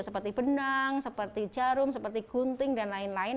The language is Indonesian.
seperti benang seperti jarum seperti gunting dan lain lain